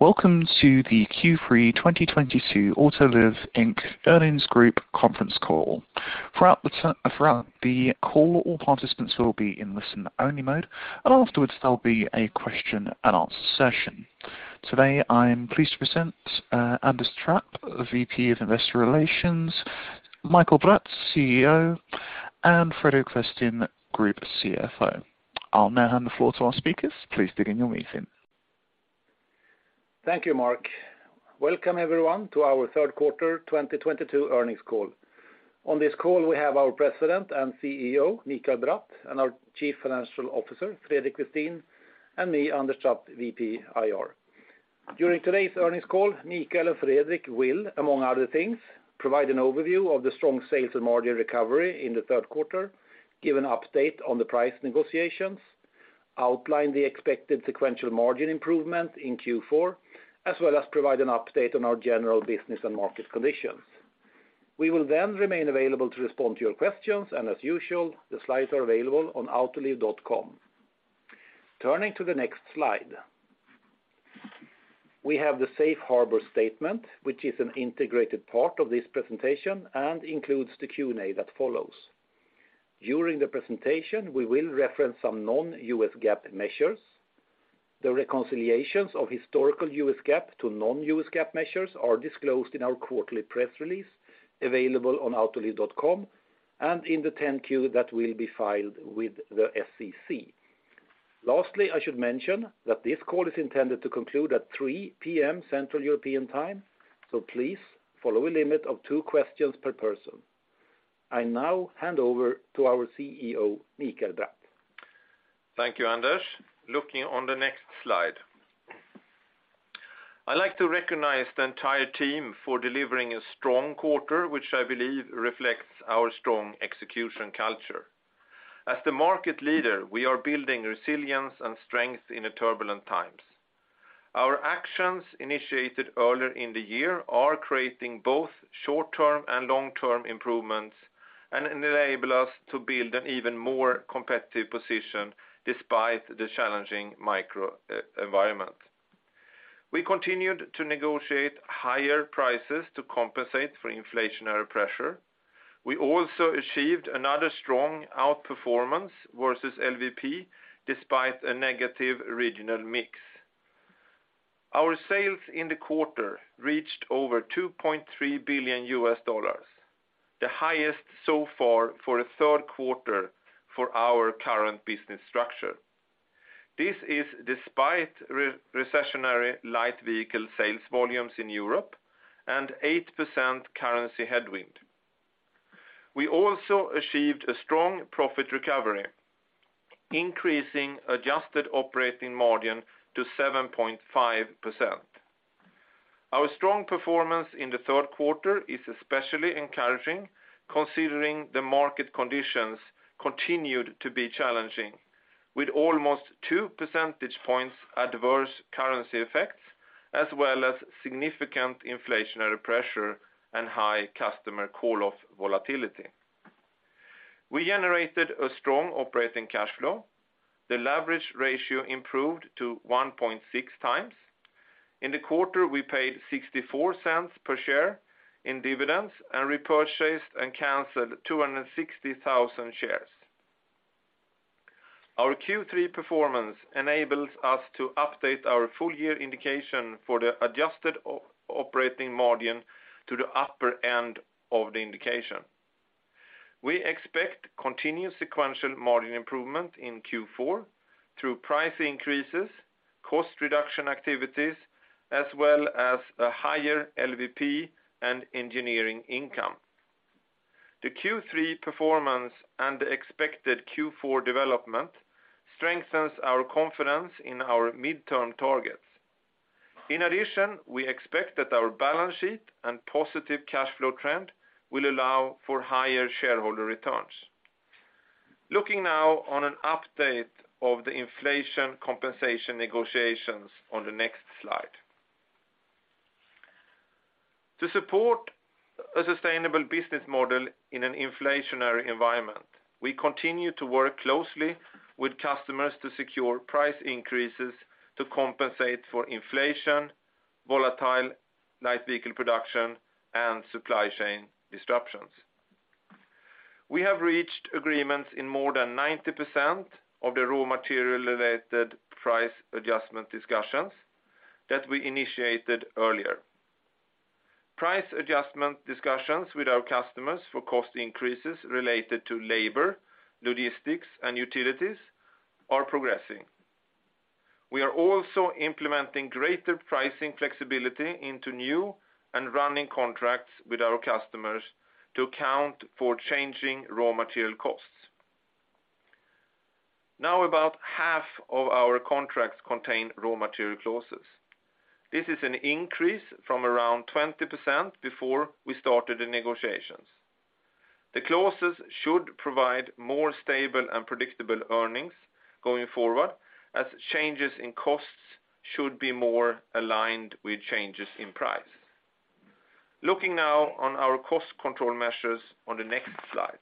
Welcome to the Q3 2022 Autoliv, Inc. earnings group conference call. Throughout the call, all participants will be in listen-only mode, and afterwards, there'll be a question and answer session. Today, I'm pleased to present Anders Trapp, VP of Investor Relations, Mikael Bratt, CEO, and Fredrik Westin, Group CFO. I'll now hand the floor to our speakers. Please begin your meeting. Thank you, Mark. Welcome, everyone, to our third quarter 2022 earnings call. On this call, we have our President and CEO, Mikael Bratt, and our Chief Financial Officer, Fredrik Westin, and me, Anders Trapp, VP IR. During today's earnings call, Mikael and Fredrik will, among other things, provide an overview of the strong sales and margin recovery in the third quarter, give an update on the price negotiations, outline the expected sequential margin improvement in Q4, as well as provide an update on our general business and market conditions. We will then remain available to respond to your questions, and as usual, the slides are available on autoliv.com. Turning to the next slide. We have the safe harbor statement, which is an integrated part of this presentation and includes the Q&A that follows. During the presentation, we will reference some non-U.S. GAAP measures. The reconciliations of historical U.S. GAAP to non-U.S. GAAP measures are disclosed in our quarterly press release available on autoliv.com and in the 10-Q that will be filed with the SEC. Lastly, I should mention that this call is intended to conclude at 3:00 P.M. Central European Time, so please follow a limit of two questions per person. I now hand over to our CEO, Mikael Bratt. Thank you, Anders. Looking on the next slide. I'd like to recognize the entire team for delivering a strong quarter, which I believe reflects our strong execution culture. As the market leader, we are building resilience and strength in the turbulent times. Our actions initiated earlier in the year are creating both short-term and long-term improvements and enable us to build an even more competitive position despite the challenging macro environment. We continued to negotiate higher prices to compensate for inflationary pressure. We also achieved another strong outperformance versus LVP despite a negative regional mix. Our sales in the quarter reached over $2.3 billion, the highest so far for a third quarter for our current business structure. This is despite recessionary light vehicle sales volumes in Europe and 8% currency headwind. We also achieved a strong profit recovery, increasing adjusted operating margin to 7.5%. Our strong performance in the third quarter is especially encouraging considering the market conditions continued to be challenging with almost two percentage points adverse currency effects as well as significant inflationary pressure and high customer call-off volatility. We generated a strong operating cash flow. The leverage ratio improved to one point six times. In the quarter, we paid $0.64 per share in dividends and repurchased and canceled 260,000 shares. Our Q3 performance enables us to update our full year indication for the adjusted operating margin to the upper end of the indication. We expect continued sequential margin improvement in Q4 through price increases, cost reduction activities, as well as a higher LVP and engineering income. The Q3 performance and the expected Q4 development strengthens our confidence in our midterm targets. In addition, we expect that our balance sheet and positive cash flow trend will allow for higher shareholder returns. Looking now on an update of the inflation compensation negotiations on the next slide. To support a sustainable business model in an inflationary environment, we continue to work closely with customers to secure price increases to compensate for inflation, volatile light vehicle production, and supply chain disruptions. We have reached agreements in more than 90% of the raw material-related price adjustment discussions that we initiated earlier. Price adjustment discussions with our customers for cost increases related to labor, logistics, and utilities are progressing. We are also implementing greater pricing flexibility into new and running contracts with our customers to account for changing raw material costs. Now, about half of our contracts contain raw material clauses. This is an increase from around 20% before we started the negotiations. The clauses should provide more stable and predictable earnings going forward, as changes in costs should be more aligned with changes in price. Looking now on our cost control measures on the next slide.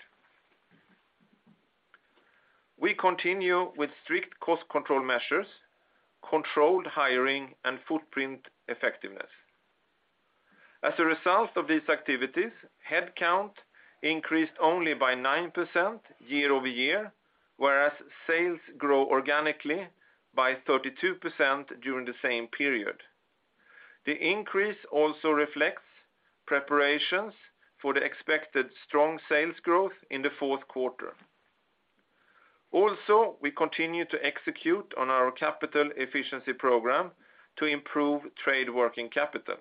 We continue with strict cost control measures, controlled hiring, and footprint effectiveness. As a result of these activities, headcount increased only by 9% year-over-year, whereas sales grow organically by 32% during the same period. The increase also reflects preparations for the expected strong sales growth in the fourth quarter. Also, we continue to execute on our capital efficiency program to improve trade working capital.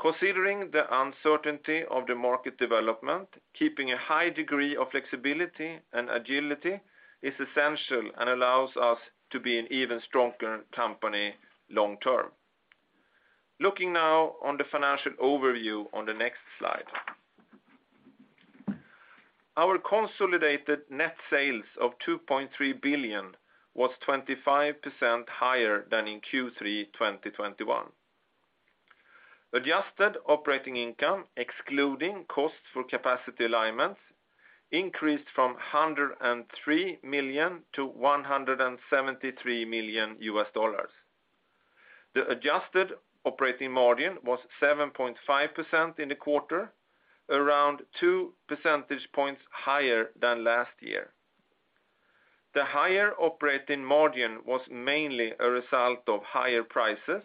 Considering the uncertainty of the market development, keeping a high degree of flexibility and agility is essential and allows us to be an even stronger company long term. Looking now on the financial overview on the next slide. Our consolidated net sales of $2.3 billion was 25% higher than in Q3 2021. Adjusted operating income, excluding costs for capacity alignments, increased from $103 million to $173 million. The adjusted operating margin was 7.5% in the quarter, around two percentage points higher than last year. The higher operating margin was mainly a result of higher prices,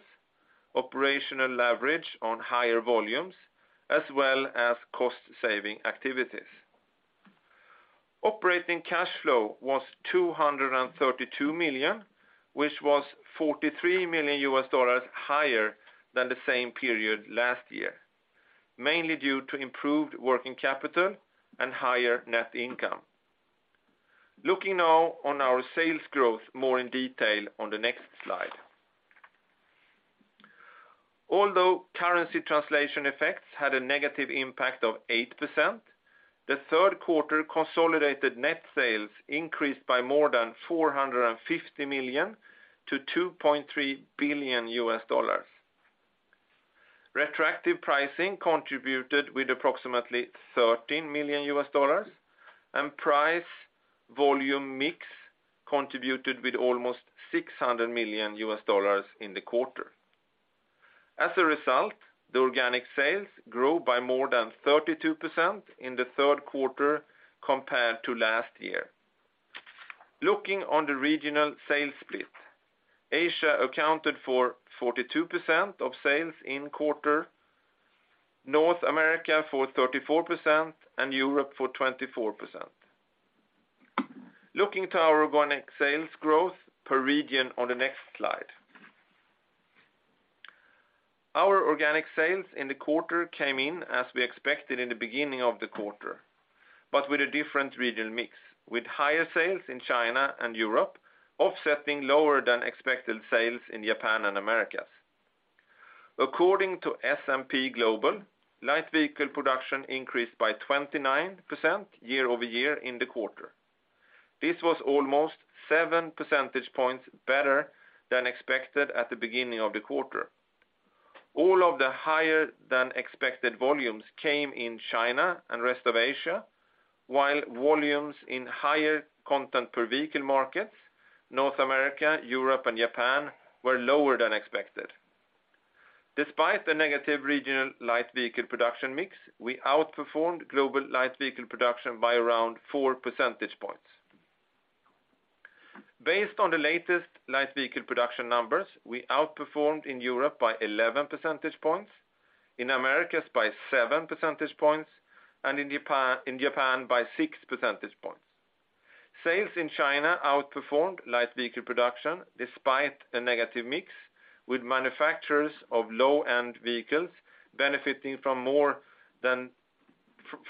operational leverage on higher volumes, as well as cost saving activities. Operating cash flow was $232 million, which was $43 million higher than the same period last year, mainly due to improved working capital and higher net income. Looking now on our sales growth more in detail on the next slide. Although currency translation effects had a negative impact of 8%, the third quarter consolidated net sales increased by more than $450 million to $2.3 billion. Retroactive pricing contributed with approximately $13 million, and price volume mix contributed with almost $600 million in the quarter. As a result, the organic sales grew by more than 32% in the third quarter compared to last year. Looking on the regional sales split, Asia accounted for 42% of sales in quarter, North America for 34%, and Europe for 24%. Looking to our organic sales growth per region on the next slide. Our organic sales in the quarter came in as we expected in the beginning of the quarter, but with a different regional mix, with higher sales in China and Europe offsetting lower than expected sales in Japan and Americas. According to S&P Global, light vehicle production increased by 29% year-over-year in the quarter. This was almost seven percentage points better than expected at the beginning of the quarter. All of the higher than expected volumes came in China and rest of Asia, while volumes in higher content per vehicle markets, North America, Europe and Japan, were lower than expected. Despite the negative regional light vehicle production mix, we outperformed global light vehicle production by around four percentage points. Based on the latest light vehicle production numbers, we outperformed in Europe by 11 percentage points, in Americas by seven percentage points, and in Japan by six percentage points. Sales in China outperformed light vehicle production despite a negative mix with manufacturers of low-end vehicles benefiting from more than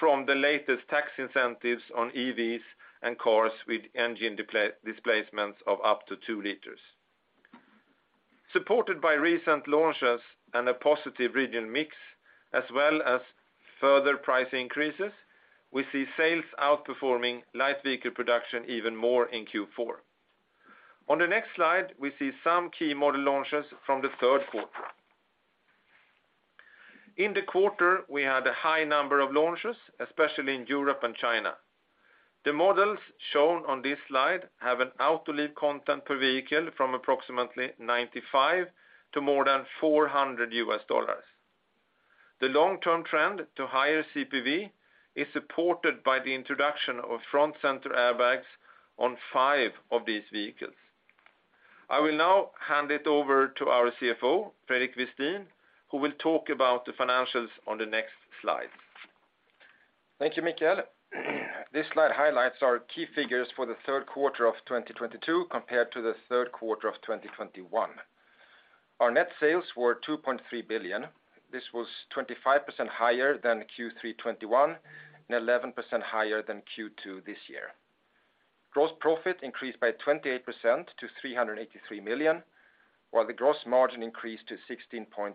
from the latest tax incentives on EVs and cars with engine displacements of up to two liters. Supported by recent launches and a positive regional mix, as well as further price increases, we see sales outperforming light vehicle production even more in Q4. On the next slide, we see some key model launches from the third quarter. In the quarter, we had a high number of launches, especially in Europe and China. The models shown on this slide have an Autoliv content per vehicle from approximately $95 to more than $400. The long-term trend to higher CPV is supported by the introduction of Front Center Airbag on five of these vehicles. I will now hand it over to our CFO, Fredrik Westin, who will talk about the financials on the next slide. Thank you, Mikael. This slide highlights our key figures for the third quarter of 2022 compared to the third quarter of 2021. Our net sales were $2.3 billion. This was 25% higher than Q3 2021 and 11% higher than Q2 this year. Gross profit increased by 28% to $383 million, while the gross margin increased to 16.7%.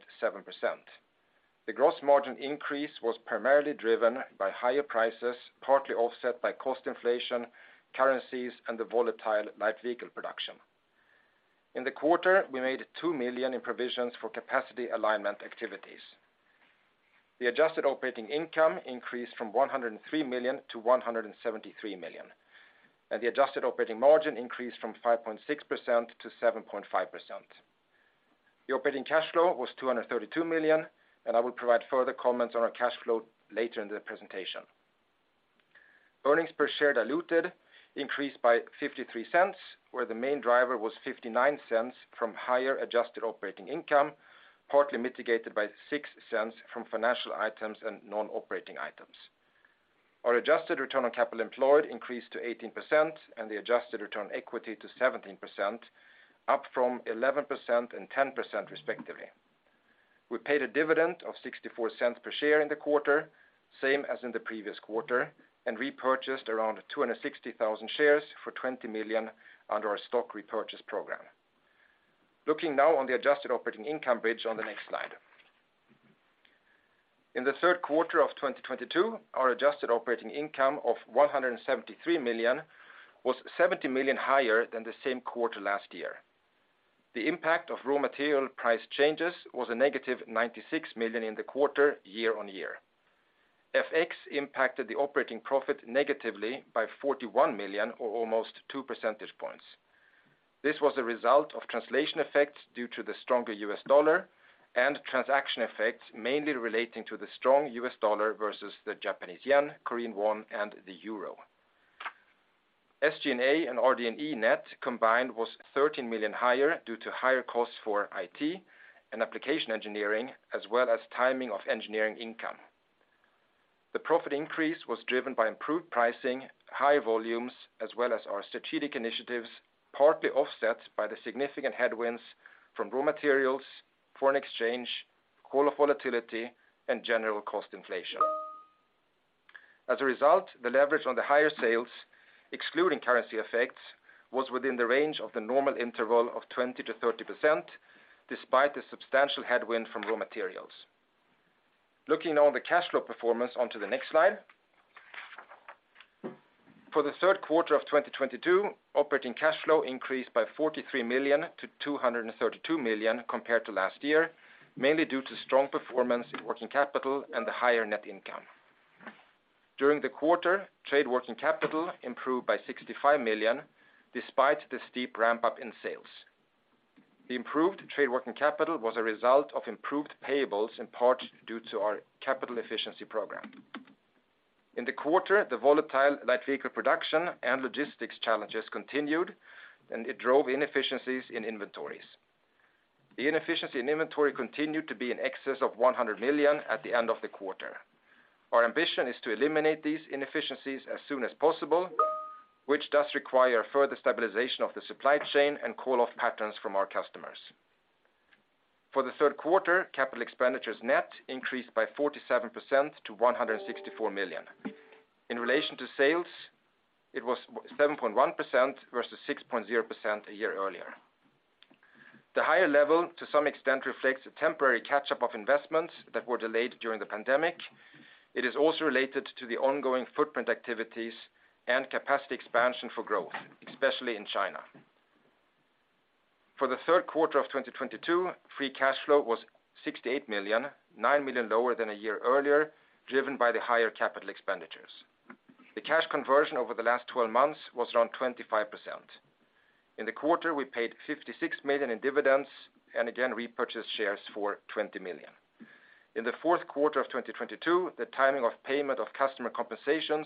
The gross margin increase was primarily driven by higher prices, partly offset by cost inflation, currencies, and the volatile light vehicle production. In the quarter, we made $2 million in provisions for capacity alignment activities. The adjusted operating income increased from $103 million to $173 million, and the adjusted operating margin increased from 5.6% to 7.5%. The operating cash flow was $232 million, and I will provide further comments on our cash flow later in the presentation. Earnings per share diluted increased by $0.53, where the main driver was $0.59 from higher adjusted operating income, partly mitigated by $0.06 from financial items and non-operating items. Our adjusted return on capital employed increased to 18%, and the adjusted return on equity to 17%, up from 11% and 10% respectively. We paid a dividend of $0.64 per share in the quarter, same as in the previous quarter, and repurchased around 260,000 shares for $20 million under our stock repurchase program. Looking now on the adjusted operating income bridge on the next slide. In the third quarter of 2022, our adjusted operating income of $173 million was $70 million higher than the same quarter last year. The impact of raw material price changes was a negative $96 million in the quarter, year-on-year. FX impacted the operating profit negatively by $41 million, or almost two percentage points. This was a result of translation effects due to the stronger U.S. dollar and transaction effects mainly relating to the strong U.S. dollar versus the Japanese yen, Korean won, and the euro. SG&A and RD&E net combined was $13 million higher due to higher costs for IT and application engineering, as well as timing of engineering income. The profit increase was driven by improved pricing, high volumes, as well as our strategic initiatives, partly offset by the significant headwinds from raw materials, foreign exchange, call volatility, and general cost inflation. As a result, the leverage on the higher sales, excluding currency effects, was within the range of the normal interval of 20%-30%, despite the substantial headwind from raw materials. Looking at the cash flow performance on the next slide. For the third quarter of 2022, operating cash flow increased by $43 million to $232 million compared to last year, mainly due to strong performance in working capital and the higher net income. During the quarter, trade working capital improved by $65 million despite the steep ramp-up in sales. The improved trade working capital was a result of improved payables, in part due to our capital efficiency program. In the quarter, the volatile light vehicle production and logistics challenges continued, and it drove inefficiencies in inventories. The inefficiency in inventory continued to be in excess of $100 million at the end of the quarter. Our ambition is to eliminate these inefficiencies as soon as possible, which does require further stabilization of the supply chain and call-off patterns from our customers. For the third quarter, capital expenditures net increased by 47% to $164 million. In relation to sales, it was 7.1% versus 6.0% a year earlier. The higher level, to some extent, reflects a temporary catch-up of investments that were delayed during the pandemic. It is also related to the ongoing footprint activities and capacity expansion for growth, especially in China. For the third quarter of 2022, free cash flow was $68 million, $9 million lower than a year earlier, driven by the higher capital expenditures. The cash conversion over the last 12 months was around 25%. In the quarter, we paid $56 million in dividends, and again, repurchased shares for $20 million. In the fourth quarter of 2022, the timing of payment of customer compensations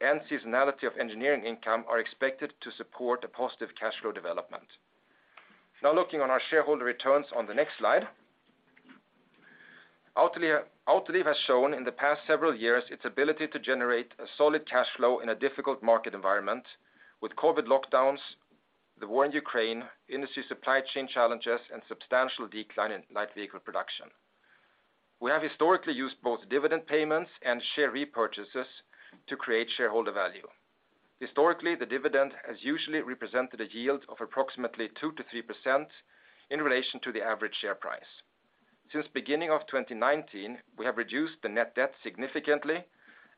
and seasonality of engineering income are expected to support a positive cash flow development. Now looking on our shareholder returns on the next slide. Autoliv has shown in the past several years its ability to generate a solid cash flow in a difficult market environment with COVID lockdowns, the war in Ukraine, industry supply chain challenges, and substantial decline in light vehicle production. We have historically used both dividend payments and share repurchases to create shareholder value. Historically, the dividend has usually represented a yield of approximately 2%-3% in relation to the average share price. Since beginning of 2019, we have reduced the net debt significantly,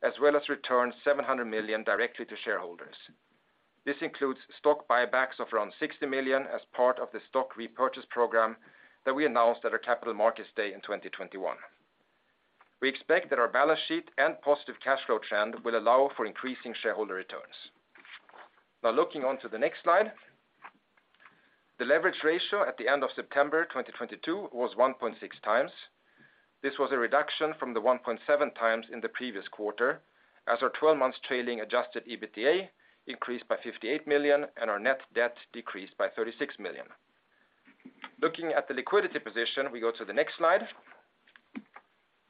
as well as returned $700 million directly to shareholders. This includes stock buybacks of around $60 million as part of the stock repurchase program that we announced at our Capital Markets Day in 2021. We expect that our balance sheet and positive cash flow trend will allow for increasing shareholder returns. Now looking onto the next slide. The leverage ratio at the end of September 2022 was one point six times. This was a reduction from the one point seven times in the previous quarter as our 12-months trailing adjusted EBITDA increased by $58 million, and our net debt decreased by $36 million. Looking at the liquidity position, we go to the next slide.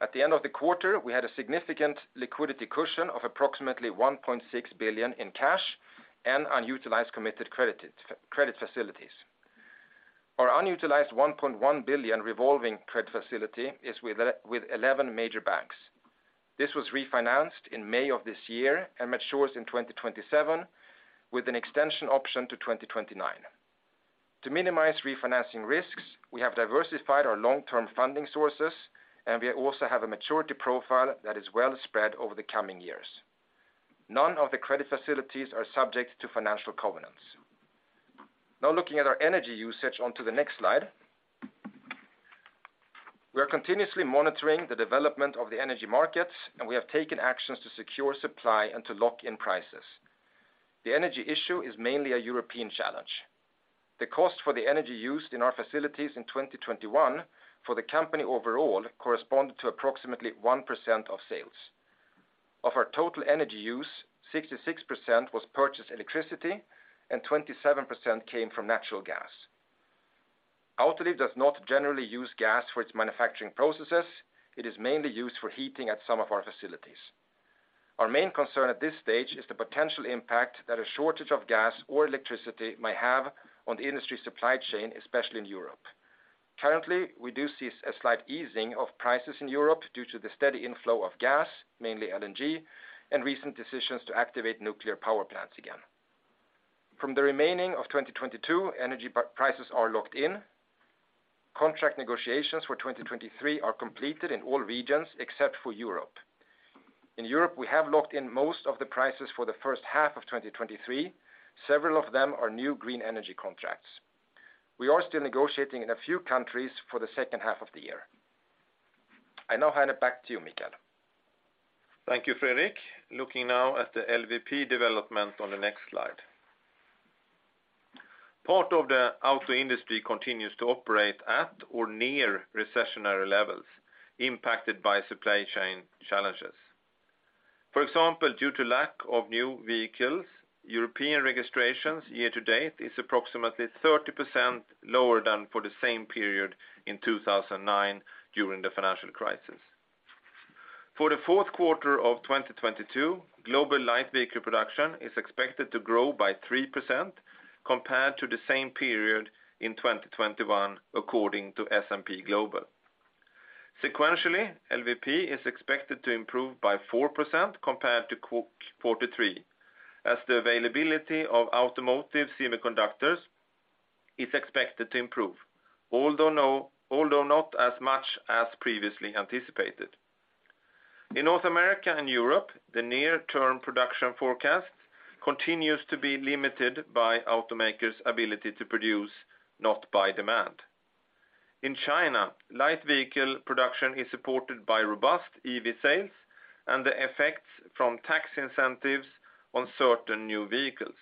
At the end of the quarter, we had a significant liquidity cushion of approximately $1.6 billion in cash and unutilized committed credit facilities. Our unutilized $1.1 billion revolving credit facility is with 11 major banks. This was refinanced in May of this year and matures in 2027, with an extension option to 2029. To minimize refinancing risks, we have diversified our long-term funding sources, and we also have a maturity profile that is well spread over the coming years. None of the credit facilities are subject to financial covenants. Now looking at our energy usage onto the next slide. We are continuously monitoring the development of the energy markets, and we have taken actions to secure supply and to lock in prices. The energy issue is mainly a European challenge. The cost for the energy used in our facilities in 2021 for the company overall corresponded to approximately 1% of sales. Of our total energy use, 66% was purchased electricity, and 27% came from natural gas. Autoliv does not generally use gas for its manufacturing processes. It is mainly used for heating at some of our facilities. Our main concern at this stage is the potential impact that a shortage of gas or electricity may have on the industry supply chain, especially in Europe. Currently, we do see a slight easing of prices in Europe due to the steady inflow of gas, mainly LNG, and recent decisions to activate nuclear power plants again. From the remaining of 2022, energy prices are locked in. Contract negotiations for 2023 are completed in all regions except for Europe. In Europe, we have locked in most of the prices for the first half of 2023. Several of them are new green energy contracts. We are still negotiating in a few countries for the second half of the year. I now hand it back to you, Mikael. Thank you, Fredrik. Looking now at the LVP development on the next slide. Part of the auto industry continues to operate at or near recessionary levels impacted by supply chain challenges. For example, due to lack of new vehicles, European registrations year-to-date is approximately 30% lower than for the same period in 2009 during the financial crisis. For the fourth quarter of 2022, global light vehicle production is expected to grow by 3% compared to the same period in 2021 according to S&P Global. Sequentially, LVP is expected to improve by 4% compared to Q3, as the availability of automotive semiconductors is expected to improve, although not as much as previously anticipated. In North America and Europe, the near-term production forecast continues to be limited by automakers' ability to produce, not by demand. In China, light vehicle production is supported by robust EV sales and the effects from tax incentives on certain new vehicles.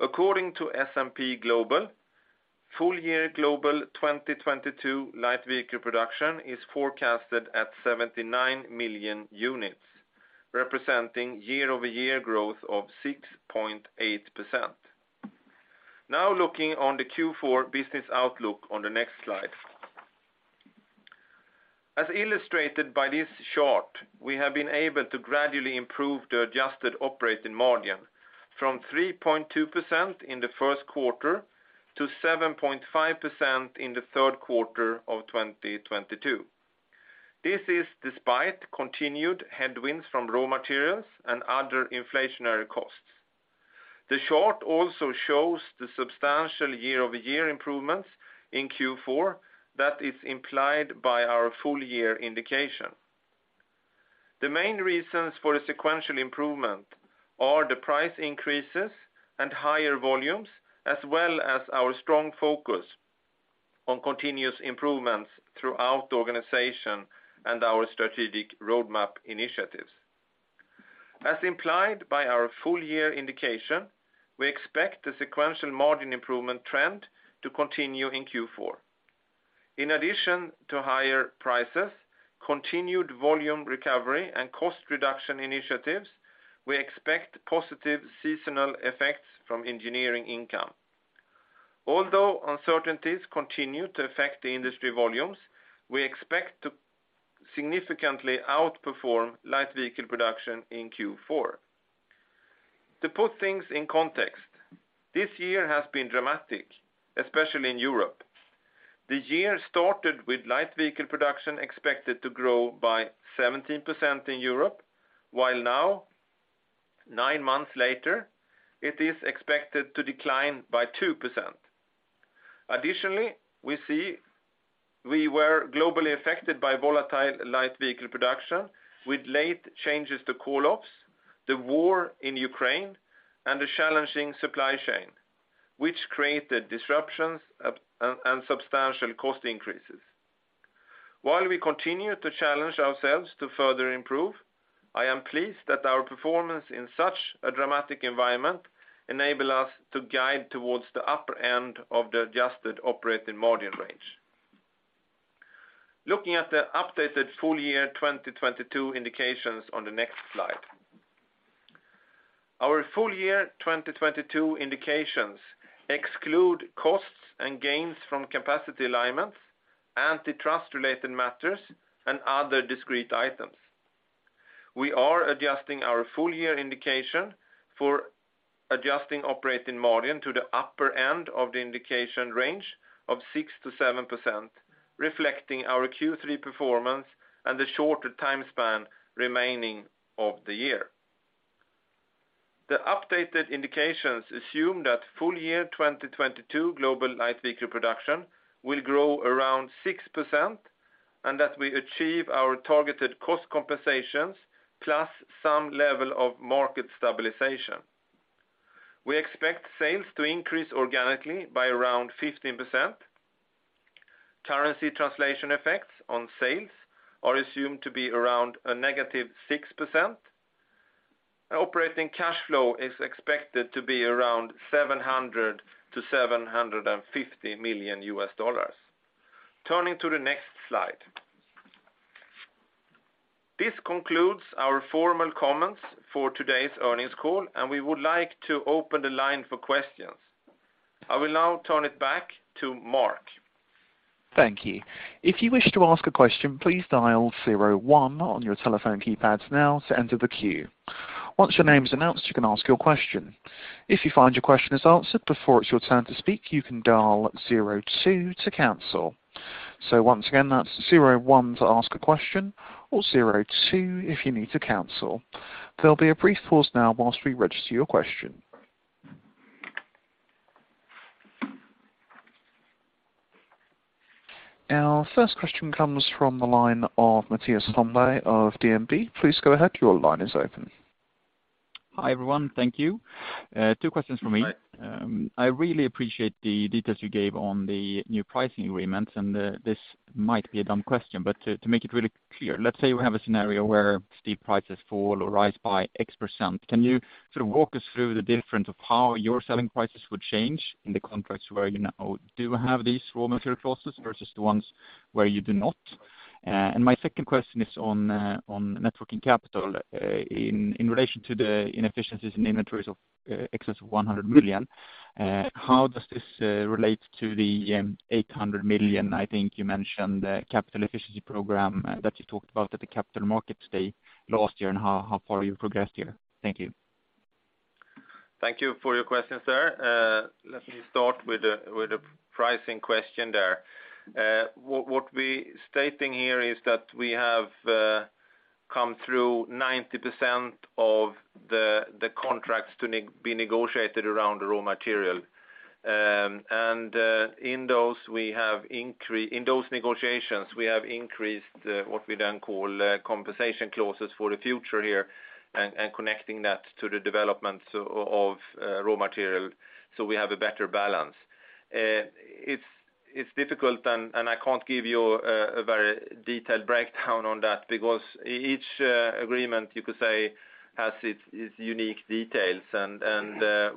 According to S&P Global, full year global 2022 light vehicle production is forecasted at 79 million units, representing year-over-year growth of 6.8%. Now looking on the Q4 business outlook on the next slide. As illustrated by this chart, we have been able to gradually improve the adjusted operating margin from 3.2% in the first quarter to 7.5% in the third quarter of 2022. This is despite continued headwinds from raw materials and other inflationary costs. The chart also shows the substantial year-over-year improvements in Q4 that is implied by our full year indication. The main reasons for the sequential improvement are the price increases and higher volumes, as well as our strong focus on continuous improvements throughout the organization and our strategic roadmap initiatives. As implied by our full year indication, we expect the sequential margin improvement trend to continue in Q4. In addition to higher prices, continued volume recovery, and cost reduction initiatives, we expect positive seasonal effects from engineering income. Although uncertainties continue to affect the industry volumes, we expect to significantly outperform light vehicle production in Q4. To put things in context, this year has been dramatic, especially in Europe. The year started with light vehicle production expected to grow by 17% in Europe, while now, nine months later, it is expected to decline by 2%. Additionally, we were globally affected by volatile light vehicle production with late changes to call-offs, the war in Ukraine, and the challenging supply chain, which created disruptions and substantial cost increases. While we continue to challenge ourselves to further improve, I am pleased that our performance in such a dramatic environment enable us to guide towards the upper end of the adjusted operating margin range. Looking at the updated full year 2022 indications on the next slide. Our full year 2022 indications exclude costs and gains from capacity alignments, antitrust related matters, and other discrete items. We are adjusting our full year indication for adjusting operating margin to the upper end of the indication range of 6%-7%, reflecting our Q3 performance and the shorter time span remaining of the year. The updated indications assume that full year 2022 global light vehicle production will grow around 6%. That we achieve our targeted cost compensations plus some level of market stabilization. We expect sales to increase organically by around 15%. Currency translation effects on sales are assumed to be around -6%. Operating cash flow is expected to be around $700 million-$750 million. Turning to the next slide. This concludes our formal comments for today's earnings call, and we would like to open the line for questions. I will now turn it back to Mark. Thank you. If you wish to ask a question, please dial zero one on your telephone keypads now to enter the queue. Once your name is announced, you can ask your question. If you find your question is answered before it's your turn to speak, you can dial zero two to cancel. Once again, that's zero one to ask a question or zero two if you need to cancel. There'll be a brief pause now while we register your question. Our first question comes from the line of Mattias Holmberg of DNB. Please go ahead. Your line is open. Hi, everyone. Thank you. Two questions for me. I really appreciate the details you gave on the new pricing agreements, and this might be a dumb question, but to make it really clear, let's say we have a scenario where steel prices fall or rise by X percent. Can you sort of walk us through the difference of how your selling prices would change in the contracts where you now do have these raw material clauses versus the ones where you do not? And my second question is on net working capital, in relation to the inefficiencies in inventories of excess of $100 million. How does this relate to the $800 million, I think you mentioned, capital efficiency program that you talked about at the Capital Markets Day last year, and how far you've progressed here? Thank you. Thank you for your question, sir. Let me start with the pricing question there. What we stating here is that we have come through 90% of the contracts to be negotiated around raw material. In those negotiations, we have increased what we then call compensation clauses for the future here and connecting that to the developments of raw material so we have a better balance. It's difficult and I can't give you a very detailed breakdown on that because each agreement, you could say, has its unique details.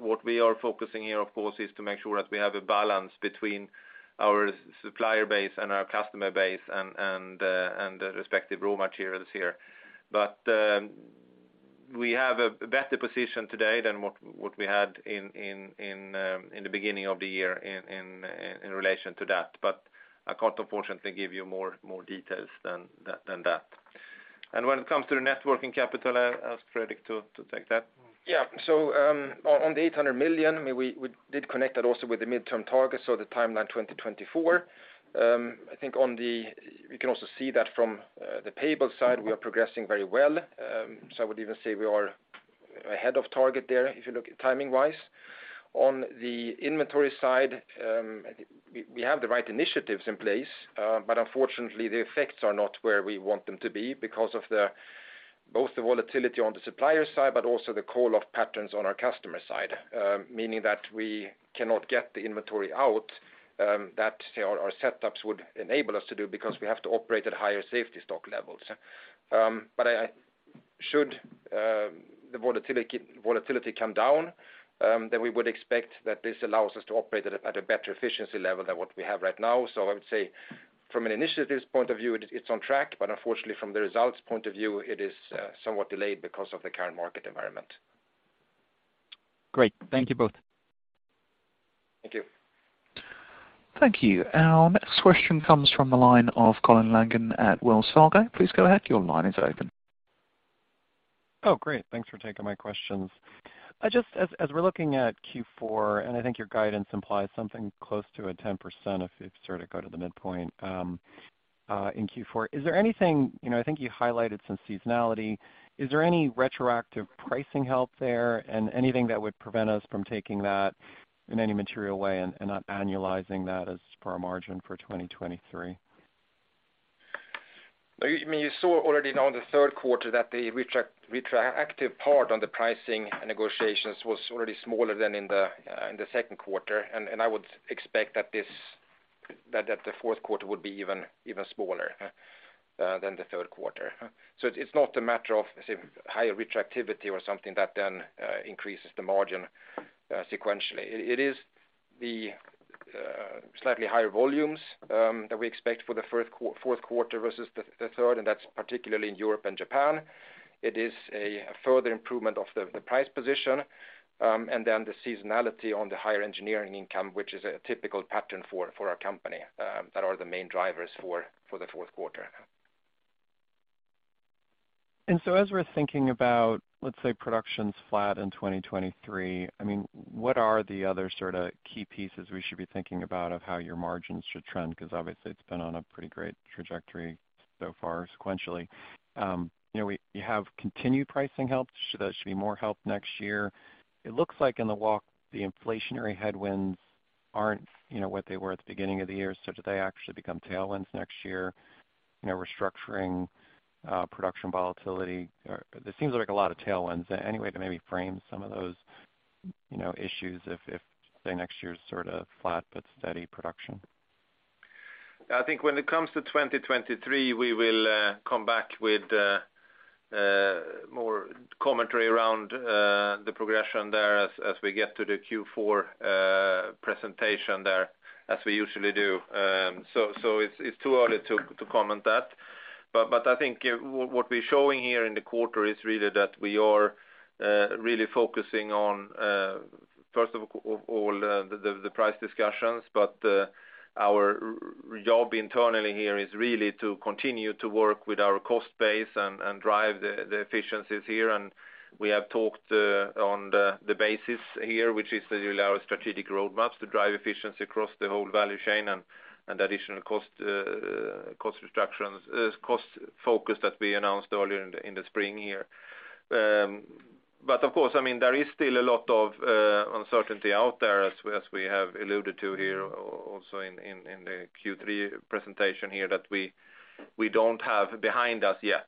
What we are focusing here, of course, is to make sure that we have a balance between our supplier base and our customer base and the respective raw materials here. We have a better position today than what we had in the beginning of the year in relation to that, but I can't unfortunately give you more details than that. When it comes to the net working capital, I'll ask Fredrik to take that. Yeah. On the $800 million, we did connect that also with the midterm targets, so the timeline 2024. I think you can also see that from the payables side, we are progressing very well. I would even say we are ahead of target there if you look timing-wise. On the inventory side, we have the right initiatives in place, but unfortunately, the effects are not where we want them to be because of both the volatility on the supplier side, but also the call-off patterns on our customer side, meaning that we cannot get the inventory out that our setups would enable us to do because we have to operate at higher safety stock levels. Should the volatility come down, then we would expect that this allows us to operate at a better efficiency level than what we have right now. I would say from an initiatives point of view, it's on track, but unfortunately from the results point of view, it is somewhat delayed because of the current market environment. Great. Thank you both. Thank you. Thank you. Our next question comes from the line of Colin Langan at Wells Fargo. Please go ahead. Your line is open. Oh, great. Thanks for taking my questions. As we're looking at Q4, and I think your guidance implies something close to a 10% if you sort of go to the midpoint, in Q4, is there anything. You know, I think you highlighted some seasonality. Is there any retroactive pricing help there and anything that would prevent us from taking that in any material way and not annualizing that as per our margin for 2023? I mean, you saw already now in the third quarter that the retroactive part on the pricing negotiations was already smaller than in the second quarter. I would expect that the fourth quarter would be even smaller than the third quarter. It's not a matter of say higher retroactivity or something that then increases the margin sequentially. It is the slightly higher volumes that we expect for the fourth quarter versus the third, and that's particularly in Europe and Japan. It is a further improvement of the price position, and then the seasonality on the higher engineering income, which is a typical pattern for our company, that are the main drivers for the fourth quarter. As we're thinking about, let's say, production's flat in 2023, I mean, what are the other sort of key pieces we should be thinking about of how your margins should trend? Because obviously it's been on a pretty great trajectory so far sequentially. You know, you have continued pricing help. Should there be more help next year? It looks like in the walk, the inflationary headwinds aren't, you know, what they were at the beginning of the year, so do they actually become tailwinds next year? You know, restructuring, production volatility. There seems like a lot of tailwinds. Any way to maybe frame some of those, you know, issues if, say, next year's sort of flat but steady production? I think when it comes to 2023, we will come back with more commentary around the progression there as we get to the Q4 presentation there, as we usually do. It's too early to comment that. I think what we're showing here in the quarter is really that we are really focusing on first of all the price discussions. Our job internally here is really to continue to work with our cost base and drive the efficiencies here. We have talked on the basis here, which is really our strategic roadmaps to drive efficiency across the whole value chain and additional cost reductions, cost focus that we announced earlier in the spring here. Of course, I mean, there is still a lot of uncertainty out there, as we have alluded to here also in the Q3 presentation here, that we don't have behind us yet.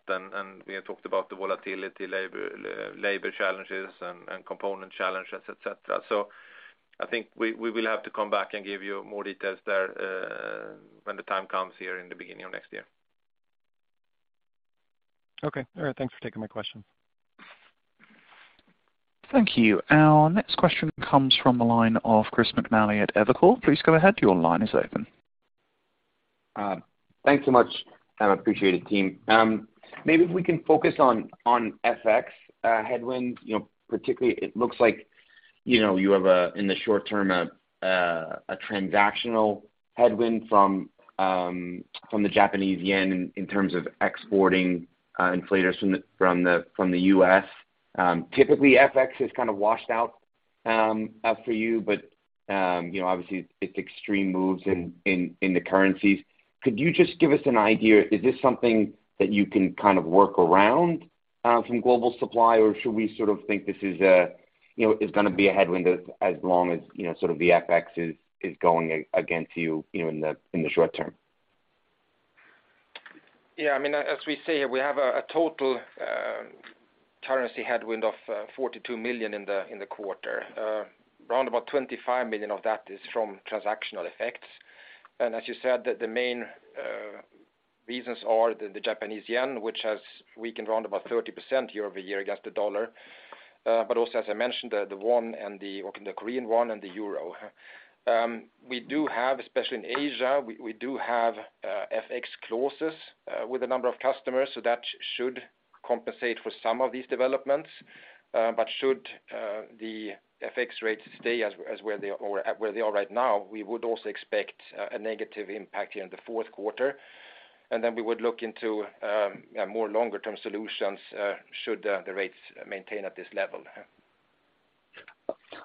We have talked about the volatility, labor challenges and component challenges, et cetera. I think we will have to come back and give you more details there, when the time comes here in the beginning of next year. Okay. All right, thanks for taking my question. Thank you. Our next question comes from the line of Chris McNally at Evercore. Please go ahead, your line is open. Thanks so much. I appreciate it, team. Maybe if we can focus on FX headwind. You know, particularly it looks like you know you have in the short term a transactional headwind from the Japanese yen in terms of exporting inflators from the U.S.. Typically FX is kind of washed out for you, but you know obviously it's extreme moves in the currencies. Could you just give us an idea, is this something that you can kind of work around from global supply? Or should we sort of think this is a you know is gonna be a headwind as long as you know sort of the FX is going against you you know in the short term? Yeah, I mean, as we say, we have a total currency headwind of $42 million in the quarter. Round about $25 million of that is from transactional effects. As you said, the main reasons are the Japanese yen, which has weakened round about 30% year-over-year against the dollar. But also as I mentioned, the won or the Korean won and the euro. We do have, especially in Asia, FX clauses with a number of customers, so that should compensate for some of these developments. But should the FX rates stay where they are right now, we would also expect a negative impact here in the fourth quarter. We would look into more longer term solutions should the rates maintain at this level.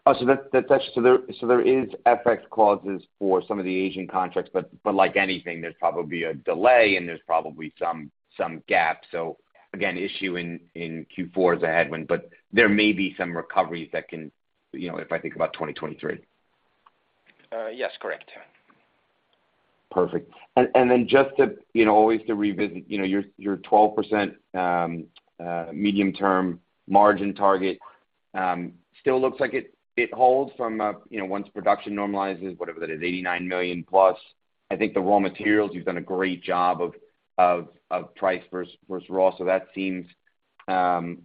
There is FX clauses for some of the Asian contracts. But like anything, there's probably a delay and there's probably some gaps. Again, issue in Q4 is a headwind, but there may be some recoveries that can, you know, if I think about 2023. Yes, correct. Perfect. Just to, you know, always to revisit, you know, your 12% medium-term margin target, still looks like it holds from, you know, once production normalizes, whatever that is, 89 million plus. I think the raw materials, you've done a great job of price versus raw. That seems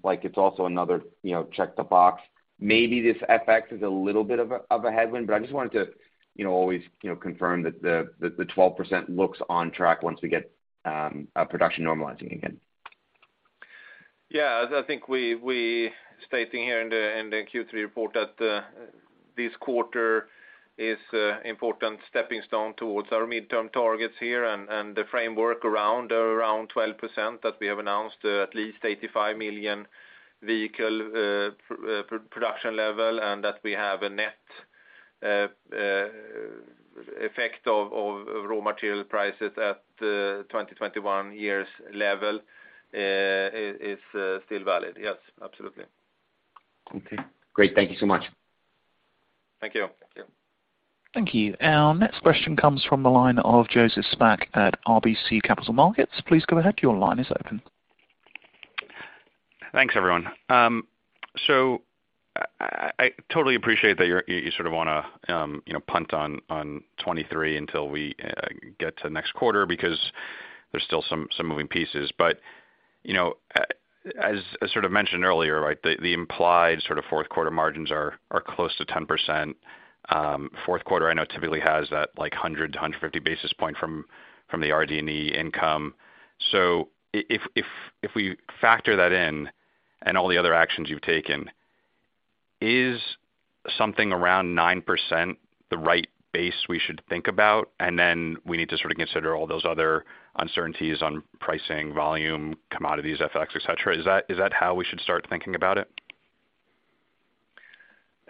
like it's also another, you know, check the box. Maybe this FX is a little bit of a headwind, but I just wanted to, you know, always, you know, confirm that the 12% looks on track once we get production normalizing again. Yeah, as I think we stating here in the Q3 report that this quarter is a important stepping stone towards our midterm targets here and the framework around 12% that we have announced at least 85 million vehicle production level, and that we have a net effect of raw material prices at 2021 years level is still valid. Yes, absolutely. Okay, great. Thank you so much. Thank you. Thank you. Thank you. Our next question comes from the line of Joseph Spak at RBC Capital Markets. Please go ahead, your line is open. Thanks, everyone. I totally appreciate that you sort of wanna, you know, punt on 2023 until we get to next quarter because there's still some moving pieces. You know, as I sort of mentioned earlier, right, the implied sort of fourth quarter margins are close to 10%. Fourth quarter I know typically has that like 100-150 basis points from the RD&E income. If we factor that in and all the other actions you've taken, is something around 9% the right base we should think about? We need to sort of consider all those other uncertainties on pricing, volume, commodities, FX, et cetera. Is that how we should start thinking about it?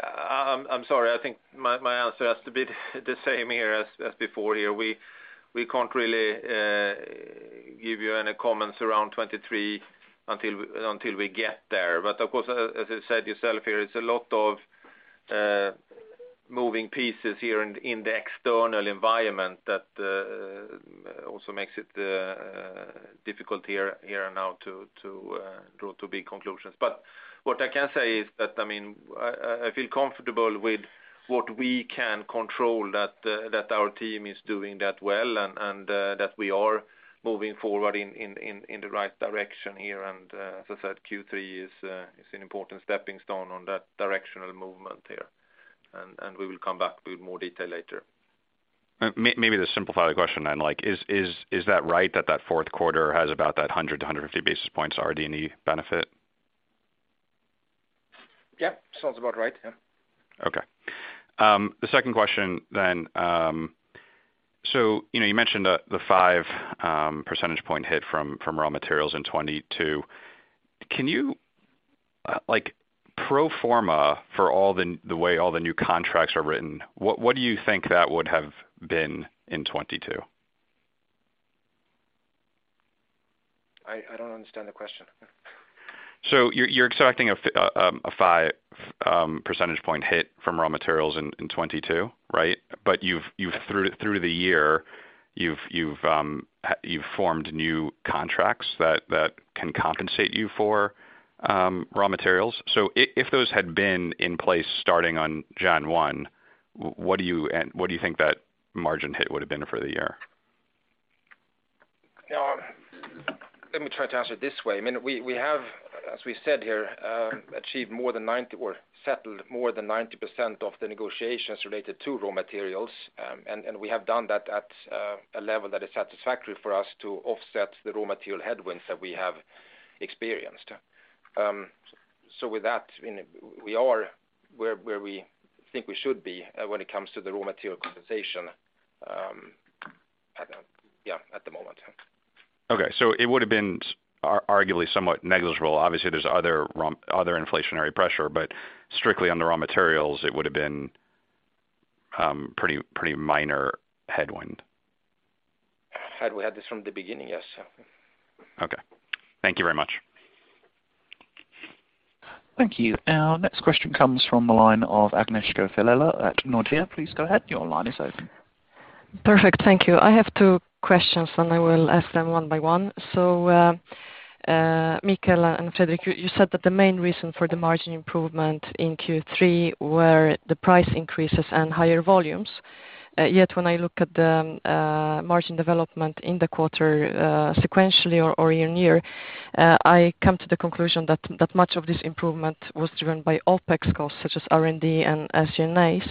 I'm sorry. I think my answer has to be the same here as before here. We can't really give you any comments around 2023 until we get there. Of course, as you said yourself here, it's a lot of moving pieces here in the external environment that also makes it difficult here now to draw too big conclusions. What I can say is that, I mean, I feel comfortable with what we can control, that our team is doing that well and that we are moving forward in the right direction here. As I said, Q3 is an important stepping stone on that directional movement here. We will come back with more detail later. Maybe to simplify the question then, like, is that right, that fourth quarter has about 100-150 basis points already in the benefit? Yeah. Sounds about right. Yeah. Okay. The second question then, you know, you mentioned the 5 percentage point hit from raw materials in 2022. Can you, like, pro forma for all the way all the new contracts are written, what do you think that would have been in 2022? I don't understand the question. You're expecting a five percentage point hit from raw materials in 2022, right? You've through the year, you've formed new contracts that can compensate you for raw materials. If those had been in place starting on January 1, what do you think that margin hit would've been for the year? Let me try to answer it this way. I mean, we have, as we said here, achieved more than 90, or settled more than 90% of the negotiations related to raw materials. And we have done that at a level that is satisfactory for us to offset the raw material headwinds that we have experienced. With that, I mean, we are where we think we should be when it comes to the raw material compensation at the moment. It would've been arguably somewhat negligible. Obviously, there's other inflationary pressure, but strictly on the raw materials, it would've been pretty minor headwind. Had we had this from the beginning, yes. Okay. Thank you very much. Thank you. Our next question comes from the line of Agnieszka Vilela at Nordea. Please go ahead. Your line is open. Perfect. Thank you. I have two questions, and I will ask them one by one. Mikael and Fredrik, you said that the main reason for the margin improvement in Q3 were the price increases and higher volumes. Yet when I look at the margin development in the quarter, sequentially or year-over-year, I come to the conclusion that much of this improvement was driven by OpEx costs, such as R&D and SG&As,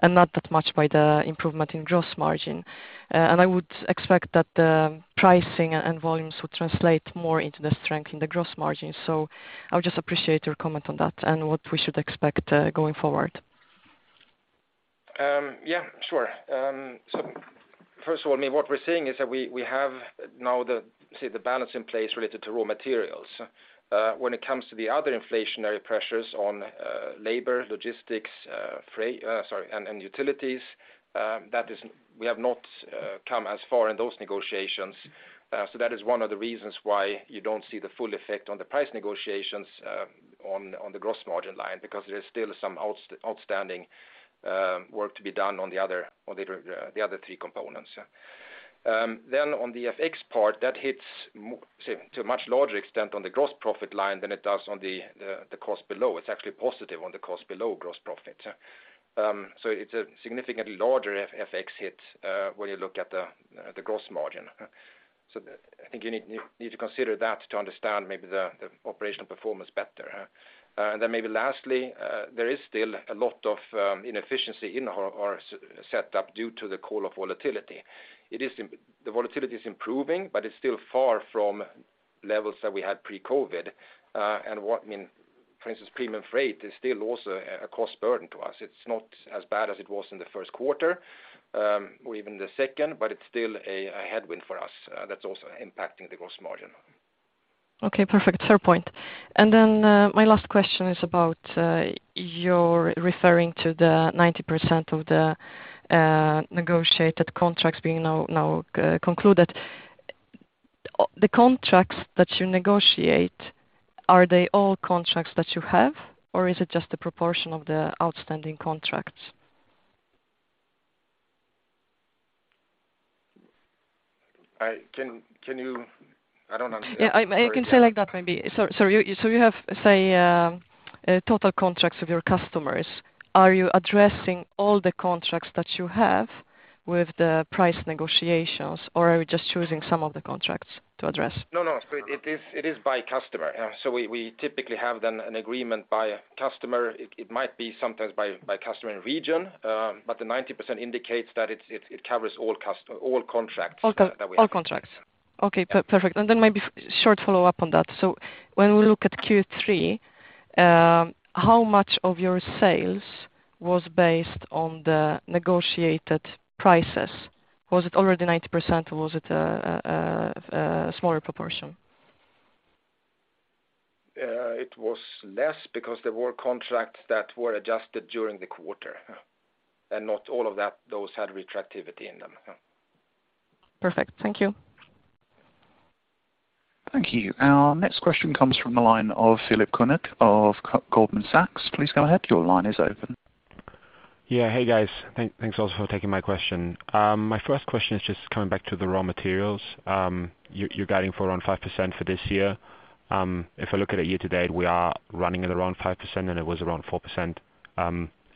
and not that much by the improvement in gross margin. I would expect that the pricing and volumes would translate more into the strength in the gross margin. I would just appreciate your comment on that and what we should expect going forward. First of all, I mean, what we're seeing is that we have now the balance in place related to raw materials. When it comes to the other inflationary pressures on labor, logistics and utilities, that is, we have not come as far in those negotiations. That is one of the reasons why you don't see the full effect on the price negotiations on the gross margin line, because there's still some outstanding work to be done on the other three components. On the FX part, that hits, say, to a much larger extent on the gross profit line than it does on the costs below. It's actually positive on the costs below gross profit. It's a significantly larger FX hit when you look at the gross margin. I think you need to consider that to understand maybe the operational performance better. Maybe lastly, there is still a lot of inefficiency in our setup due to the COVID volatility. The volatility is improving, but it's still far from levels that we had pre-COVID. I mean, for instance, premium freight is still also a cost burden to us. It's not as bad as it was in the first quarter or even the second, but it's still a headwind for us that's also impacting the gross margin. Okay. Perfect. Fair point. My last question is about you're referring to the 90% of the negotiated contracts being now concluded. The contracts that you negotiate, are they all contracts that you have, or is it just a proportion of the outstanding contracts? Can you? I don't understand. Yeah. I can say like that maybe. Sorry. You have, say, total contracts with your customers. Are you addressing all the contracts that you have with the price negotiations, or are you just choosing some of the contracts to address? No, no. It is by customer. We typically have then an agreement by customer. It might be sometimes by customer and region, but the 90% indicates that it covers all contracts that we have. All contracts. Okay. Perfect. Maybe short follow-up on that. When we look at Q3, how much of your sales was based on the negotiated prices? Was it already 90%, or was it a smaller proportion? It was less because there were contracts that were adjusted during the quarter, and not all of those had retroactivity in them. Perfect. Thank you. Thank you. Our next question comes from the line of Philipp Koenig of Goldman Sachs. Please go ahead. Your line is open. Hey, guys. Thanks also for taking my question. My first question is just coming back to the raw materials. You're guiding for around 5% for this year. If I look at it year-to-date, we are running at around 5%, and it was around 4%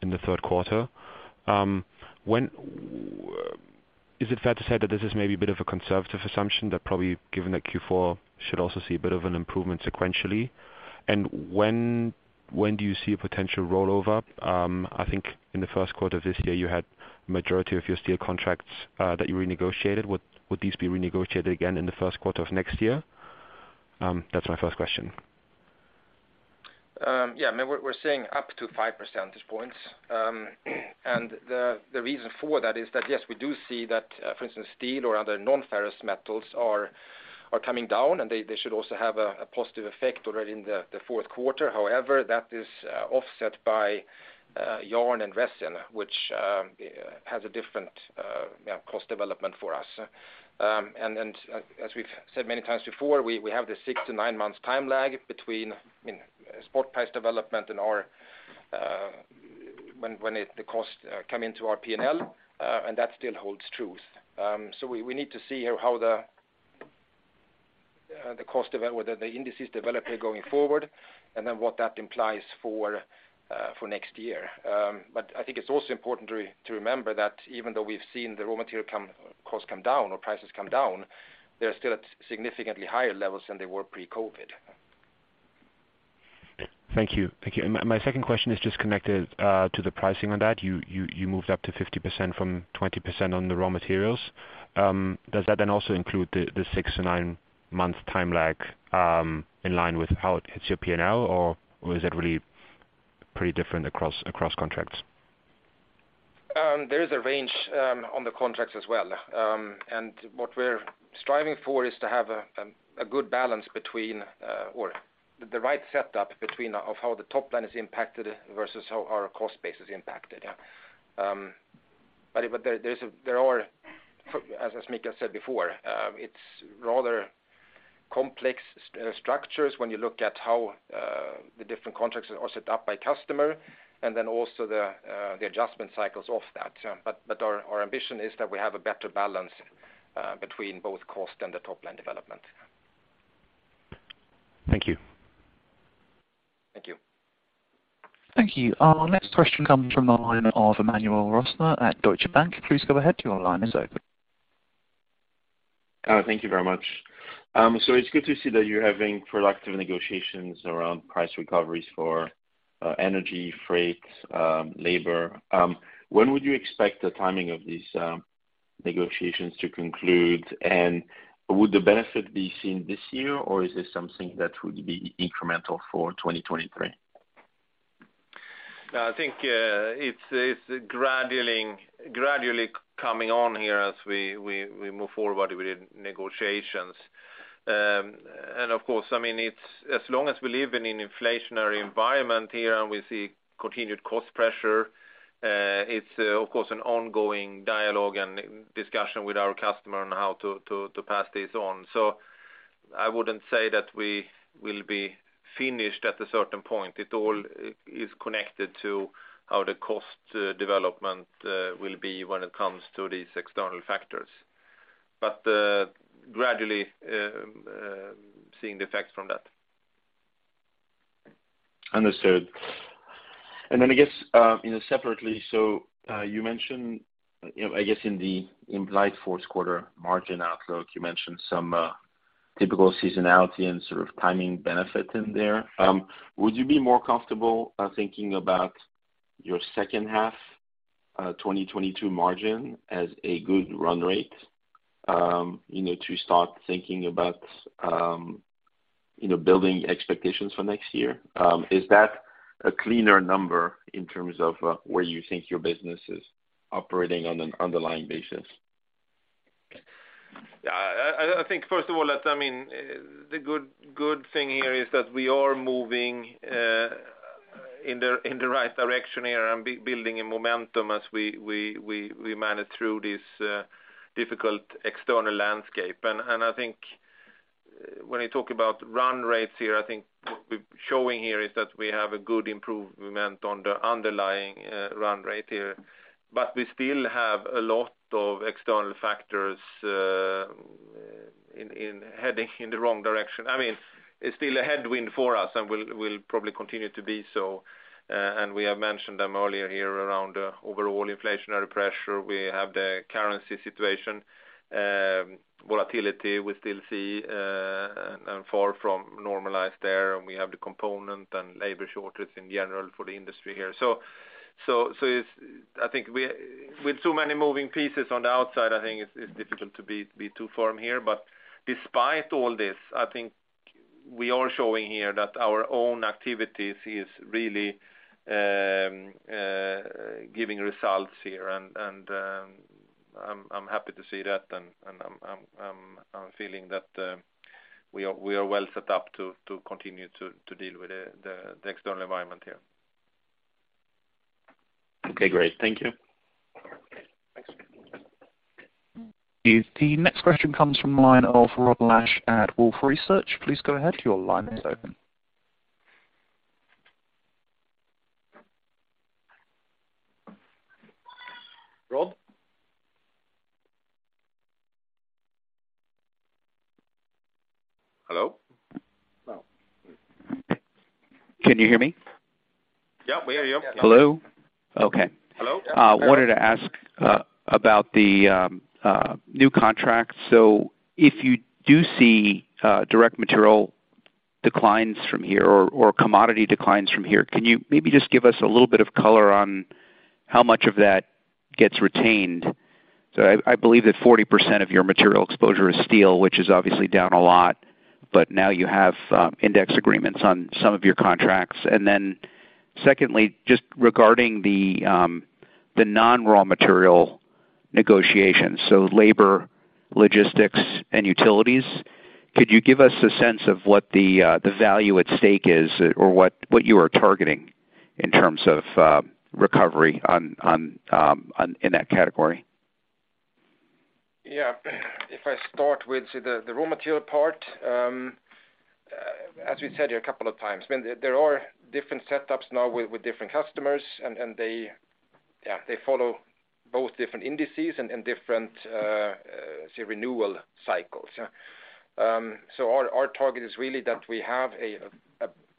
in the third quarter. Is it fair to say that this is maybe a bit of a conservative assumption, that probably given that Q4 should also see a bit of an improvement sequentially? When do you see a potential rollover? I think in the first quarter of this year you had majority of your steel contracts that you renegotiated. Would these be renegotiated again in the first quarter of next year? That's my first question. Yeah, I mean, we're seeing up to five percentage points. The reason for that is that, yes, we do see that, for instance, steel or other non-ferrous metals are coming down, and they should also have a positive effect already in the fourth quarter. However, that is offset by yarn and resin, which has a different, you know, cost development for us. As we've said many times before, we have the six to nine months time lag between, I mean, spot price development and our, when the costs come into our P&L, and that still holds true. We need to see how the cost of it, whether the indices develop here going forward, and then what that implies for next year. I think it's also important to remember that even though we've seen the raw material costs come down or prices come down, they're still at significantly higher levels than they were pre-COVID. Thank you. My second question is just connected to the pricing on that. You moved up to 50% from 20% on the raw materials. Does that then also include the six to nine month time lag in line with how it hits your P&L, or is it really pretty different across contracts? There is a range on the contracts as well. What we're striving for is to have a good balance between or the right setup between of how the top line is impacted versus how our cost base is impacted. There are, as Mikael said before, it's rather complex structures when you look at how the different contracts are set up by customer and then also the adjustment cycles of that. Our ambition is that we have a better balance between both cost and the top-line development. Thank you. Thank you. Thank you. Our next question comes from the line of Emmanuel Rosner at Deutsche Bank. Please go ahead. Your line is open. Thank you very much. It's good to see that you're having productive negotiations around price recoveries for energy, freight, labor. When would you expect the timing of these negotiations to conclude? Would the benefit be seen this year, or is this something that would be incremental for 2023? I think it's gradually coming on here as we move forward with the negotiations. Of course, I mean, it's as long as we live in an inflationary environment here and we see continued cost pressure, it's of course an ongoing dialogue and discussion with our customer on how to pass this on. I wouldn't say that we will be finished at a certain point. It all is connected to how the cost development will be when it comes to these external factors. Gradually seeing the effects from that. Understood. Then I guess, you know, separately, so you mentioned, you know, I guess in the implied fourth quarter margin outlook, you mentioned some typical seasonality and sort of timing benefit in there. Would you be more comfortable, thinking about your second half, 2022 margin as a good run rate, you know, to start thinking about, you know, building expectations for next year? Is that a cleaner number in terms of, where you think your business is operating on an underlying basis? Yeah, I think first of all, I mean, the good thing here is that we are moving in the right direction here and building a momentum as we manage through this difficult external landscape. I think when you talk about run rates here, I think what we're showing here is that we have a good improvement on the underlying run rate here, but we still have a lot of external factors in heading in the wrong direction. I mean, it's still a headwind for us and will probably continue to be so, and we have mentioned them earlier here around overall inflationary pressure. We have the currency situation, volatility we still see, and far from normalized there, and we have the component and labor shortage in general for the industry here. With so many moving pieces on the outside, I think it's difficult to be too firm here. Despite all this, I think we are showing here that our own activities is really giving results here and I'm happy to see that, and I'm feeling that we are well set up to continue to deal with the external environment here. Okay, great. Thank you. Thanks. The next question comes from the line of Rod Lache at Wolfe Research. Please go ahead. Your line is open. Rod? Hello? Hello. Can you hear me? Yeah, we hear you. Hello. Okay. Hello. Wanted to ask about the new contract. If you do see direct material declines from here or commodity declines from here, can you maybe just give us a little bit of color on how much of that gets retained? I believe that 40% of your material exposure is steel, which is obviously down a lot, but now you have index agreements on some of your contracts. Then secondly, just regarding the non-raw material negotiations, so labor, logistics, and utilities, could you give us a sense of what the value at stake is or what you are targeting in terms of recovery in that category? If I start with the raw material part, as we said here a couple of times, when there are different setups now with different customers and they follow both different indices and different, say, renewal cycles. Our target is really that we have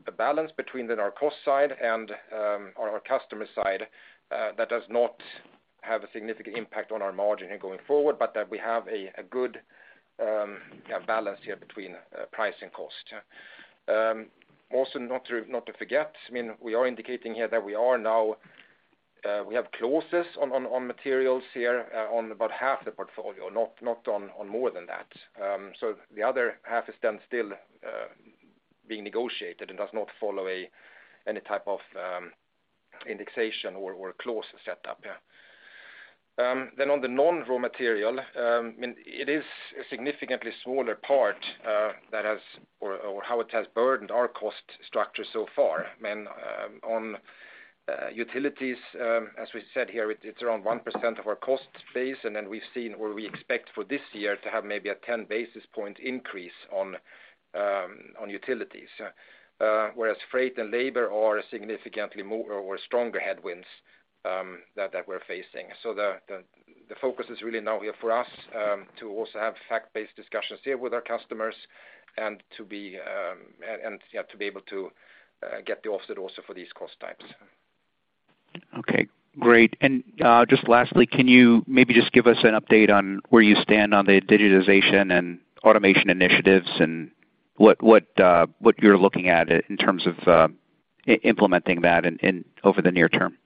a balance between the cost side and our customer side that does not have a significant impact on our margin going forward, but that we have a good balance here between price and cost. Also not to forget, I mean, we are indicating here that we now have clauses on materials here on about half the portfolio, not on more than that. The other half is then still being negotiated and does not follow any type of indexation or clause set up. Yeah. On the non-raw material, I mean, it is a significantly smaller part that has, or how it has burdened our cost structure so far. I mean, on utilities, as we said here, it's around 1% of our cost base, and then we've seen or we expect for this year to have maybe a 10 basis point increase on utilities. Whereas freight and labor are significantly more or stronger headwinds that we're facing. The focus is really now here for us to also have fact-based discussions here with our customers and to be able to get the offset also for these cost types. Okay, great. Just lastly, can you maybe just give us an update on where you stand on the digitization and automation initiatives and what you're looking at in terms of implementing that over the near term?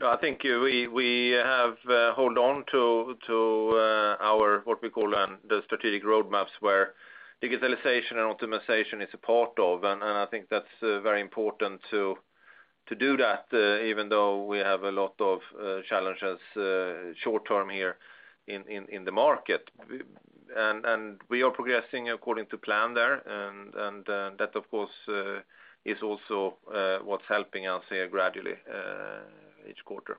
No, I think we have hold on to our what we call the strategic roadmaps, where digitalization and optimization is a part of, and I think that's very important to do that even though we have a lot of challenges short-term here in the market. We are progressing according to plan there. That of course is also what's helping us here gradually each quarter.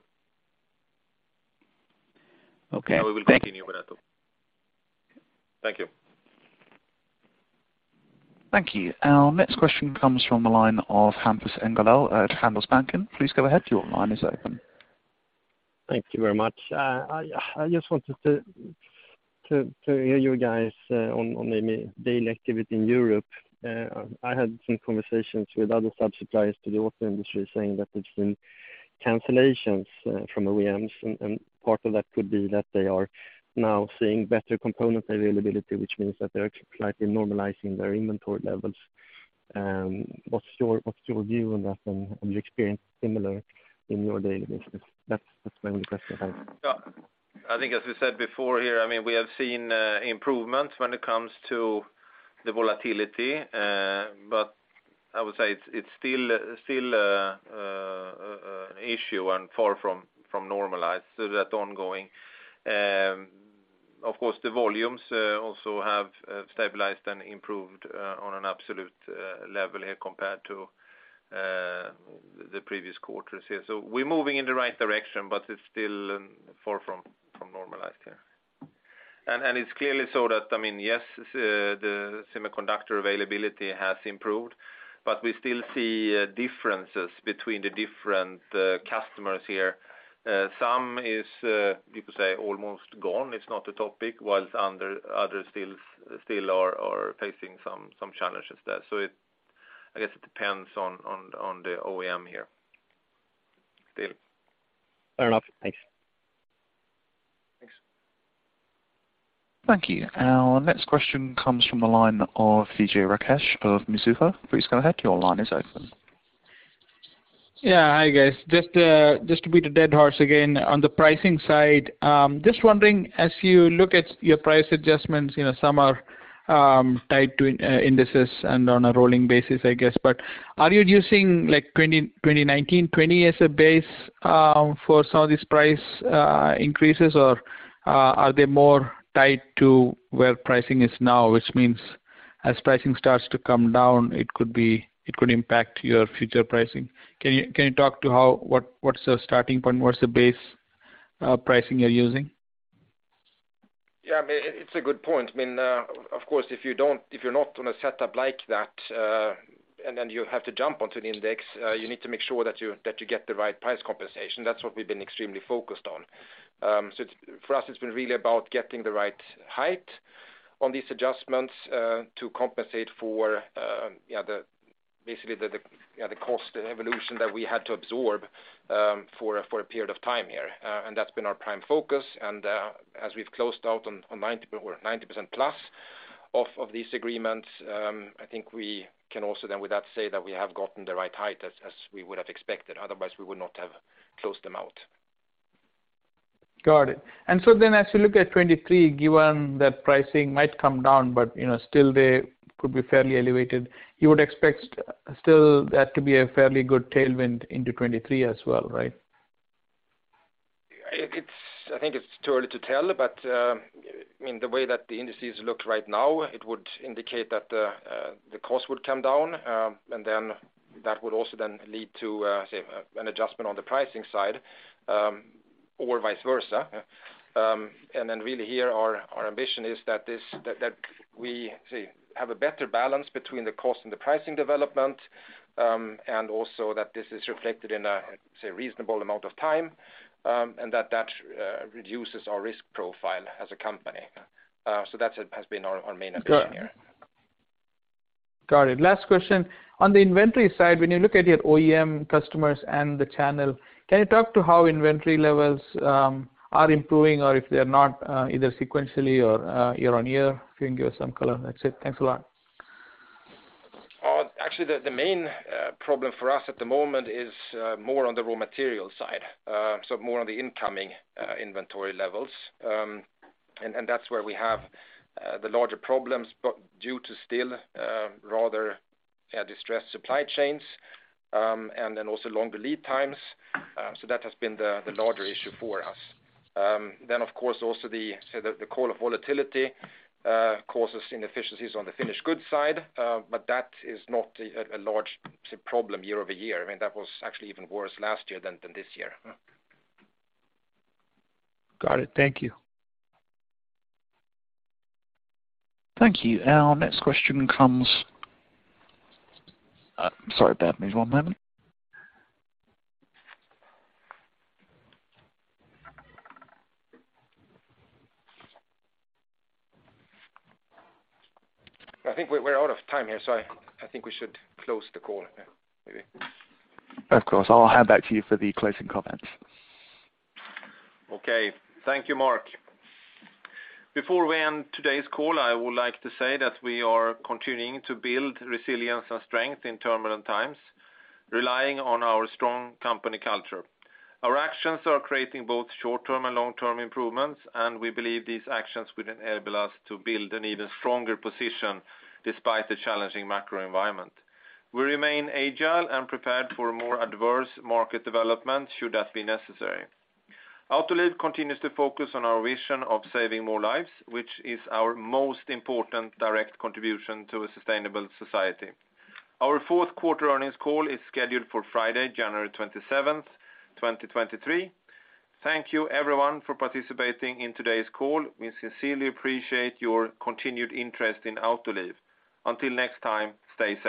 Okay. We will continue with that. Thank you. Thank you. Our next question comes from the line of Hampus Engellau at Handelsbanken. Please go ahead. Your line is open. Thank you very much. I just wanted to hear you guys on the daily activity in Europe. I had some conversations with other sub-suppliers to the auto industry saying that it's been cancellations from OEMs, and part of that could be that they are now seeing better component availability, which means that they're actually slightly normalizing their inventory levels. What's your view on that, and have you experienced similar in your daily business? That's my only question I have. Yeah. I think as I said before here, I mean, we have seen improvements when it comes to the volatility. I would say it's still an issue and far from normalized, so that's ongoing. Of course, the volumes also have stabilized and improved on an absolute level here compared to the previous quarters here. We're moving in the right direction, but it's still far from normalized here. It's clearly so that, I mean, yes, the semiconductor availability has improved, but we still see differences between the different customers here. Some people say it's almost gone. It's not a topic, while others still are facing some challenges there. I guess it depends on the OEM here still. Fair enough. Thanks. Thanks. Thank you. Our next question comes from the line of Vijay Rakesh of Mizuho. Please go ahead. Your line is open. Yeah. Hi, guys. Just to beat a dead horse again on the pricing side, just wondering, as you look at your price adjustments, you know, some are tied to indices and on a rolling basis, I guess. Are you using like 2019-2020 as a base for some of these price increases? Or are they more tied to where pricing is now? Which means as pricing starts to come down, it could impact your future pricing. Can you talk to how, what's the starting point? What's the base pricing you're using? Yeah, it's a good point. I mean, of course, if you're not on a setup like that, and then you have to jump onto the index, you need to make sure that you get the right price compensation. That's what we've been extremely focused on. For us, it's been really about getting the right height on these adjustments, to compensate for, you know, basically the cost evolution that we had to absorb, for a period of time here. That's been our prime focus. As we've closed out on 90%+ of these agreements, I think we can also then with that say that we have gotten the right height as we would have expected. Otherwise, we would not have closed them out. Got it. As you look at 2023, given that pricing might come down, but, you know, still they could be fairly elevated, you would expect still that to be a fairly good tailwind into 2023 as well, right? I think it's too early to tell, but I mean, the way that the indices look right now, it would indicate that the cost would come down, and then that would also then lead to, say, an adjustment on the pricing side, or vice versa. Really here, our ambition is that we have a better balance between the cost and the pricing development, and also that this is reflected in a reasonable amount of time, and that reduces our risk profile as a company. That has been our main ambition here. Got it. Last question. On the inventory side, when you look at your OEM customers and the channel, can you talk to how inventory levels are improving or if they're not either sequentially or year on year? If you can give us some color. That's it. Thanks a lot. Actually the main problem for us at the moment is more on the raw material side, so more on the incoming inventory levels. That's where we have the larger problems, but due to still rather distressed supply chains, and then also longer lead times. That has been the larger issue for us. Of course also the volatility causes inefficiencies on the finished goods side, but that is not a large problem year-over-year. I mean, that was actually even worse last year than this year. Got it. Thank you. Thank you. Our next question comes. Sorry about me. One moment. I think we're out of time here, so I think we should close the call now, maybe. Of course. I'll hand back to you for the closing comments. Okay. Thank you, Mark. Before we end today's call, I would like to say that we are continuing to build resilience and strength in turbulent times, relying on our strong company culture. Our actions are creating both short-term and long-term improvements, and we believe these actions will enable us to build an even stronger position despite the challenging macro environment. We remain agile and prepared for more adverse market development should that be necessary. Autoliv continues to focus on our vision of saving more lives, which is our most important direct contribution to a sustainable society. Our fourth quarter earnings call is scheduled for Friday, January 27th, 2023. Thank you everyone for participating in today's call. We sincerely appreciate your continued interest in Autoliv. Until next time, stay safe.